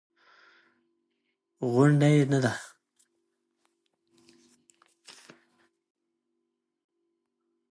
غونډ یې نه دی.